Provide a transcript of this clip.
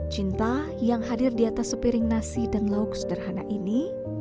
cinta yang hadir di atas sepiring nasi dan lauk sederhana ini